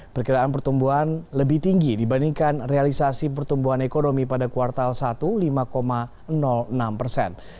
perkiraan pertumbuhan lebih tinggi dibandingkan realisasi pertumbuhan ekonomi pada kuartal satu lima enam persen